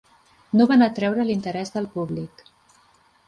No van atreure l'interès del públic.